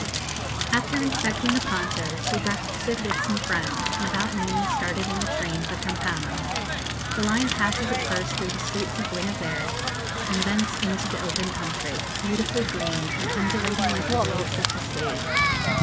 After inspecting the ponchos, we breakfasted with some friends, and about noon started in the train for Campana. The line passes at first through the streets of Buenos Ayres, and thence into the open country, beautifully green, and undulating like the waves of the sea.